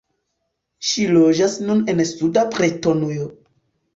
Ŝi loĝas nun en suda Bretonujo.